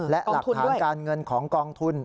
และหลักฐานการเงินของกองทุน